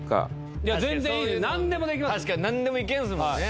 確かに何でもいけんすもんね。